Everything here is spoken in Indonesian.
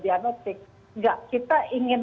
diagnostik enggak kita ingin